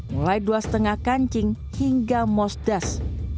mulai dua lima kancing hingga mosdas